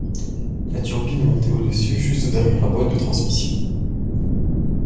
La turbine est montée au-dessus, juste derrière la boite de transmission.